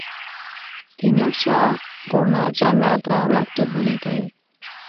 تیمورشاه ګورنر جنرال ته مکتوب ولېږی.